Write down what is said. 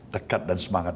dekat dan semangat